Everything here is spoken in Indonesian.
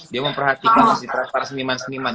dia memperhatikan para seniman seniman